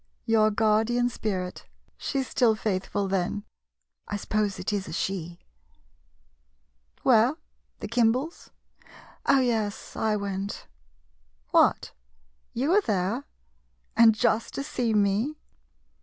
Your guardian spirit — she 's still faithful, then? I suppose it is a " she "? Where ? The Kimbals ? Oh, yes — I went. What — you were there, and just to see me?